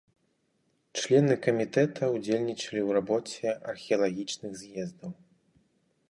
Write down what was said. Члены камітэта ўдзельнічалі ў рабоце археалагічных з'ездаў.